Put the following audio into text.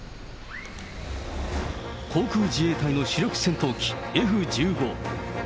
航空自衛隊の主力戦闘機、Ｆ１５。